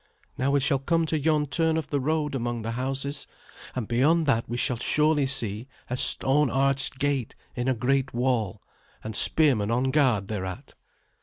Now we shall come to yon turn of the road among the houses, and beyond that we shall surely see a stone arched gate in a great wall, and spearmen on guard thereat."